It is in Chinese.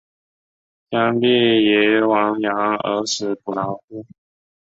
将必俟亡羊而始补牢乎！